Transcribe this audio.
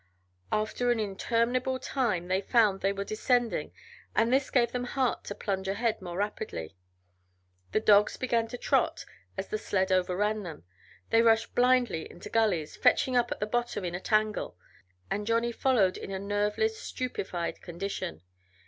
After an interminable time they found they were descending and this gave them heart to plunge ahead more rapidly. The dogs began to trot as the sled overran them; they rushed blindly into gullies, fetching up at the bottom in a tangle, and Johnny followed in a nerveless, stupefied condition.